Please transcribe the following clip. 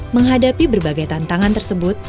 menghadapi berbagai tantangan tersebut